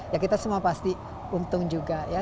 ya kita semua pasti untung juga ya